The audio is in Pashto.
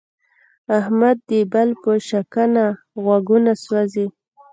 احمد د بل په شکنه غوږونه سوزي.